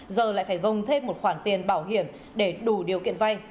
giờ lại phải gồng thêm một khoản tiền bảo hiểm để đủ điều kiện vay